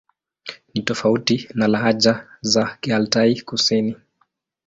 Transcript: Ni tofauti na lahaja za Kialtai-Kusini.